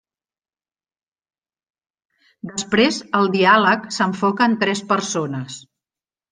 Després, el diàleg s'enfoca en tres persones: